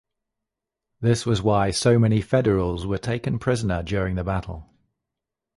This was why so many Federals were taken prisoner during the battle.